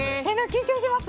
緊張します。